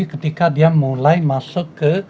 jadi ketika dia mulai masuk ke